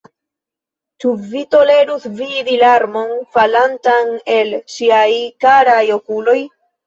Ĉu vi tolerus vidi larmon falantan el ŝiaj karaj okuloj?